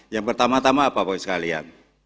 yang pertama tama apa pak inspektor sekalian